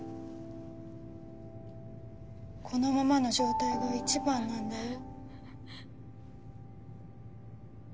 このままの状態が一番なんだよ。